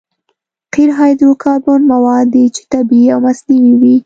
قیر هایدرو کاربن مواد دي چې طبیعي او مصنوعي وي